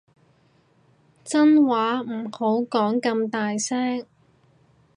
真話唔好講咁大聲